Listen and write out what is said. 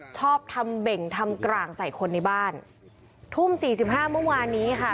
ชอบทำเบ่งทำกลางใส่คนในบ้านทุ่มสี่สิบห้าเมื่อวานนี้ค่ะ